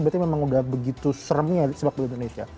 berarti memang udah begitu seremnya sebagainya indonesia